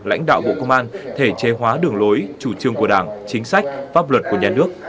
lãnh đạo bộ công an thể chế hóa đường lối chủ trương của đảng chính sách pháp luật của nhà nước